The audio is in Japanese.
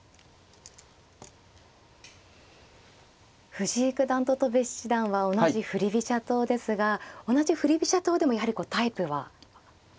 藤井九段と戸辺七段は同じ振り飛車党ですが同じ振り飛車党でもやはりこうタイプは分かれるものですか。